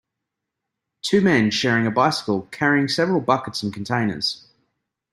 Two men sharing a bicycle, carrying several buckets and containers.